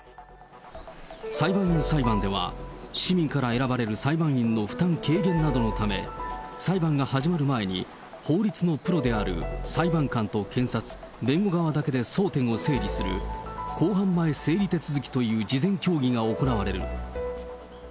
裁判員裁判では、市民から選ばれる裁判員の負担軽減などのため、裁判が始まる前に、法律のプロである裁判官と検察、弁護側だけで争点を整理する、公判前整理手続きという事前協議が行われる。